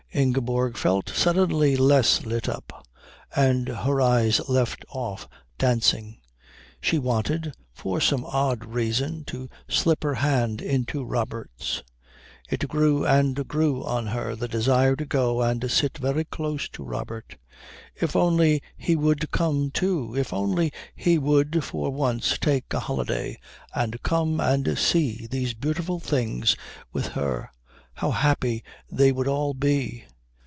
Ingeborg felt suddenly less lit up, and her eyes left off dancing. She wanted, for some odd reason, to slip her hand into Robert's. It grew and grew on her, the desire to go and sit very close to Robert. If only he would come, too, if only he would for once take a holiday and come and see these beautiful things with her, how happy they would all be!